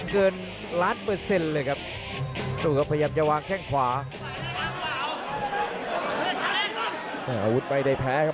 กระโดยสิ้งเล็กนี่ออกกันขาสันเหมือนกันครับ